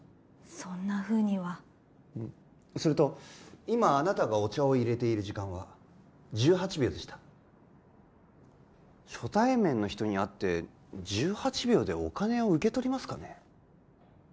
そんなふうにはそれと今あなたがお茶をいれている時間は１８秒でした初対面の人に会って１８秒でお金を受け取りますかね？